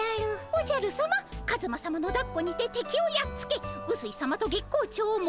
おじゃるさまカズマさまのだっこにててきをやっつけうすいさまと月光町を元どおりにもどしました！